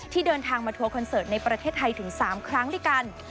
เดินทางมาทัวร์คอนเสิร์ตในประเทศไทยถึง๓ครั้งด้วยกัน